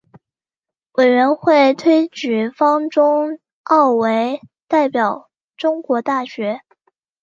委员会推举方宗鳌为代表中国大学。